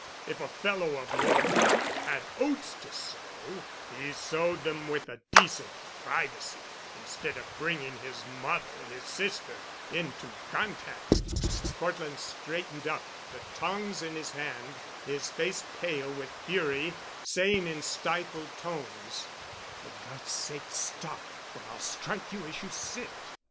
If a fellow of your type had oats to sow, he sowed them with a decent privacy instead of bringing his mother, his sister, into contact——" Cortland straightened up, the tongs in his hand, his face pale with fury, saying in stifled tones: "For God's sake, stop, or I'll strike you as you sit."